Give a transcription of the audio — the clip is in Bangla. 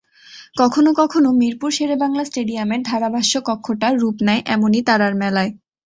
কখনো কখনো মিরপুর শেরেবাংলা স্টেডিয়ামের ধারাভাষ্যকক্ষটা রূপ নেয় এমনই তারার মেলায়।